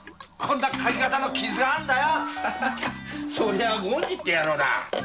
そりゃ権次って野郎だ。